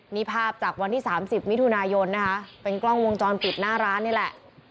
นี่ภาพจากวันที่๓๐มิถุนายนนะคะเป็นกล้องวงจรปิดหน้าร้านนี่แหละ